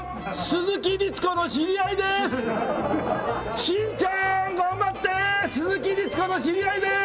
鈴木律子の知り合いです！